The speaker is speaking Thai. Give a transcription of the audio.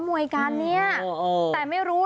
มวยกันเนี่ยแต่ไม่รู้